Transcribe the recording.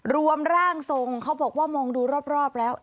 ร่างทรงเขาบอกว่ามองดูรอบแล้ว